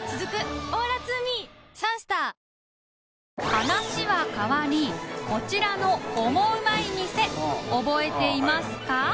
話は変わりこちらのオモウマい店覚えていますか？